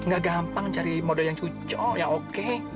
gak gampang cari model yang cucok yang oke